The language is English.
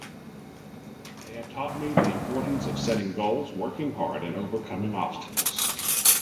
They have taught me the importance of setting goals, working hard, and overcoming obstacles.